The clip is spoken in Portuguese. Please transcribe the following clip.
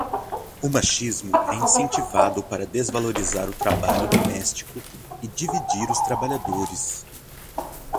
O machismo é incentivado para desvalorizar o trabalho doméstico e dividir os trabalhadores